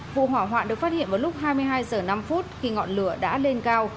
vụ hỏa hoạn được phát hiện vào lúc hai mươi hai h năm khi ngọn lửa đã lên cao